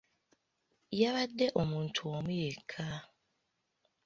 Yabadde omuntu omu yekka.